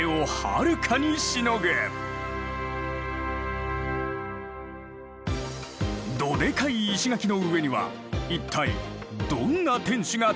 どでかい石垣の上には一体どんな天守が立っていたのか？